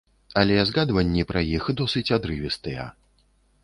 Але згадванні пра іх досыць адрывістыя.